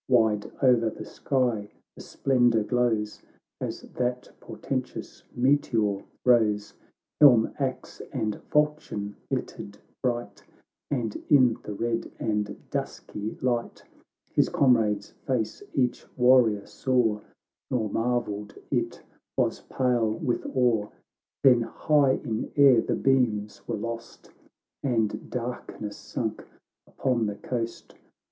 "Wide o'er the sky the splendour glows, As that portentous meteor rose ; Helm, axe, and falchion glittered bright, And in the red and dusky light His comrade's face each warrior saw, Nor marvelled it was pale with awe. Then high in air the beams were lost, And darkness sunk upon the coast.